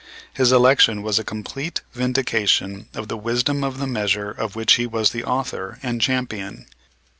His election was a complete vindication of the wisdom of the measure of which he was the author and champion.